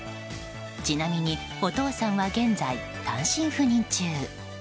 ちなみにお父さんは現在単身赴任中。